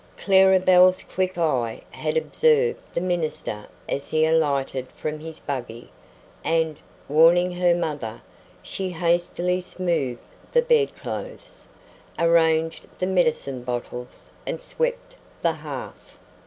Clara Belle's quick eye had observed the minister as he alighted from his buggy, and, warning her mother, she hastily smoothed the bedclothes, arranged the medicine bottles, and swept the hearth.